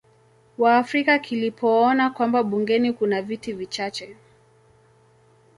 Waafrika kilipoona kwamba bungeni kuna viti vichache